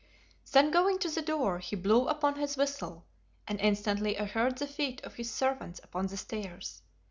Then going to the door he blew upon his whistle, and instantly I heard the feet of his servants upon the stairs.